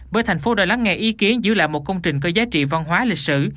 bởi thành phố đã lắng nghe ý kiến giữ lại một công trình có giá trị văn hóa lịch sử